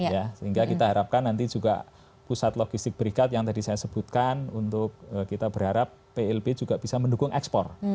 sehingga kita harapkan nanti juga pusat logistik berikat yang tadi saya sebutkan untuk kita berharap plb juga bisa mendukung ekspor